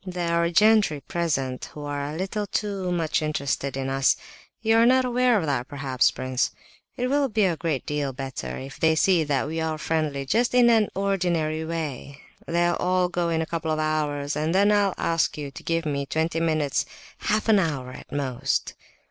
There are gentry present who are a little too much interested in us. You are not aware of that perhaps, prince? It will be a great deal better if they see that we are friendly just in an ordinary way. They'll all go in a couple of hours, and then I'll ask you to give me twenty minutes—half an hour at most."